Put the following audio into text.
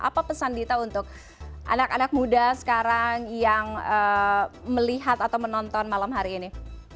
apa pesan dita untuk anak anak muda sekarang yang melihat atau menonton malam hari ini